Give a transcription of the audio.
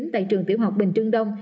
tại trường tiểu học bình trưng đông